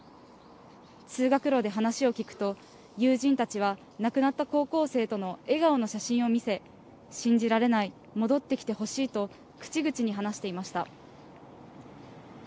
通学路で話を聞くと、友人たちは、亡くなった高校生との笑顔の写真を見せ、信じられない、戻ってきてほしいと口々に話していました。